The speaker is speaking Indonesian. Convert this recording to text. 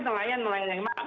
nelayan nelayan yang maksimal